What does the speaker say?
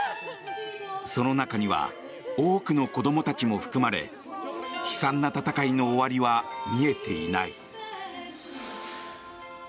その中には多くの子供たちも含まれ悲惨な戦いの終わりは見えていない。